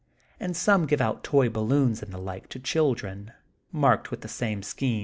and some give out toy balloons and the like to the children, marked with the same schemes.